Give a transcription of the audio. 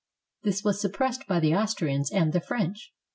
This was suppressed by the Austrians and the French.